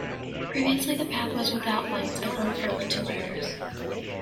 Previously the path was without lights and unfriendly to riders.